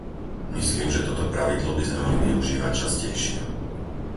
Myslím, že toto pravidlo by sme mali využívať častejšie.